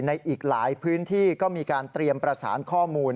อีกหลายพื้นที่ก็มีการเตรียมประสานข้อมูล